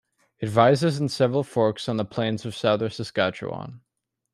It rises in several forks on the plains of southern Saskatchewan.